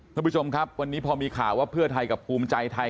ท่านผู้ชมครับวันนี้พอมีข่าวว่าเพื่อไทยกับภูมิใจไทย